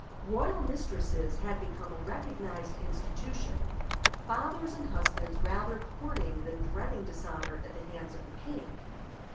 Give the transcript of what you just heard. Royal mistresses had become a recognized institution, fathers and husbands rather courting than dreading dishonor at the hands of the king.